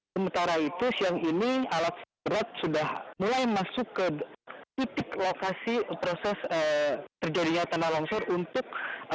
sementara itu siang ini alat berat sudah mulai masuk ke titik lokasi proses terjadinya tanah longsor untuk